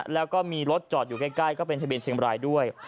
แล้วก็มีรถจอดอยู่ใกล้ก็เป็นทะเบียนเชียงบรายด้วย